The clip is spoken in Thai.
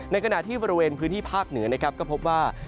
ในกระหน่าที่บริเวณพื้นที่ภาคเหนือก็พบว่า